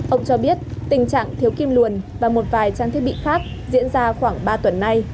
ông cho biết tình trạng thiếu kim luồn và một vài trang thiết bị khác diễn ra khoảng ba tuần nay